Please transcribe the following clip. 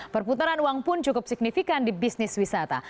perputaran uang pun cukup signifikan di bisnis wisata